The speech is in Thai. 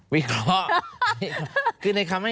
วิเคราะห์